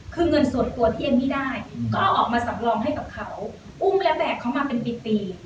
คือเงินส่วนตัวที่เอมมี่ได้ก็เอาออกมาสำรองให้กับเขาอุ้มแล้วแบบเขามาเป็นปี